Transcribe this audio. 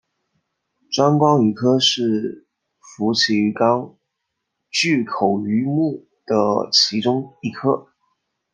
钻光鱼科是辐鳍鱼纲巨口鱼目的其中一科。